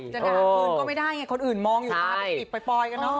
ปืนก็ไม่ได้เค้าอื่นมองอยู่มั๊ยมันติดปล่อยกันเนาะ